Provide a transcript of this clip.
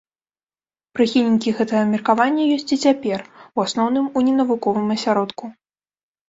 Прыхільнікі гэтага меркавання ёсць і цяпер, у асноўным у ненавуковым асяродку.